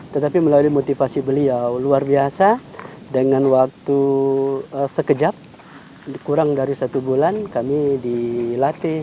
tetapi melalui motivasi beliau luar biasa dengan waktu sekejap kurang dari satu bulan kami dilatih